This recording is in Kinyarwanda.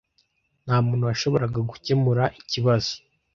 Ntamuntu washoboraga gukemura ikibazo.